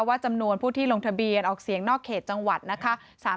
จำนวนผู้ที่ลงทะเบียนออกเสียงนอกเขตจังหวัดนะคะ